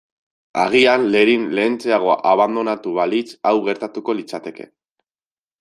Agian Lerin lehentxeago abandonatu balitz hau gertatuko litzateke.